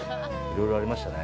いろいろありましたね。